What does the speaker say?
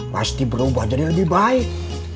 pasti berubah jadi lebih baik